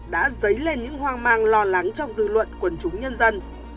đã dấy lên những hoang mang lo lắng trong dư luận quần chúng nhân dân